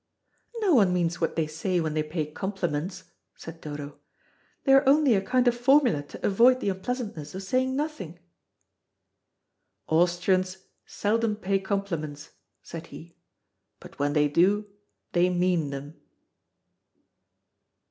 "No one means what they say when they pay compliments," said Dodo. "They are only a kind of formula to avoid the unpleasantness of saying nothing." "Austrians seldom pay compliments," said he; "but when they do, they mean them."